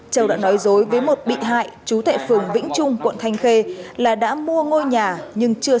châu đã nói dối với một bị hại trú tại phường vĩnh trung quận thanh khê là đã mua ngôi nhà nhưng chưa